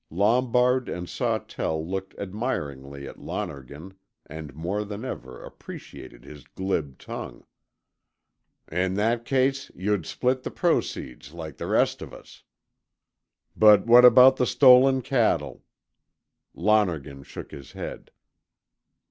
Lombard and Sawtell looked admiringly at Lonergan and more than ever appreciated his glib tongue. "In that case, you'd split the proceeds like the rest of us." "But what about the stolen cattle?" Lonergan shook his head.